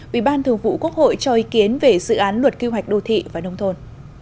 ủy ban thường vụ quốc hội cho ý kiến về dự án luật kêu hoạch đô thị và nông thôn